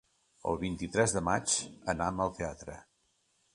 El vint-i-tres de maig anam al teatre.